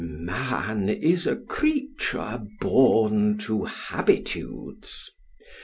Man is a creature born to habitudes.